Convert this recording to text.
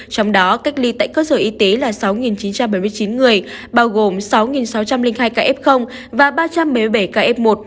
trong đó cách ly tại cơ sở y tế là sáu chín trăm bảy mươi chín người bao gồm sáu sáu trăm linh hai ca f và ba trăm một mươi bảy ca f một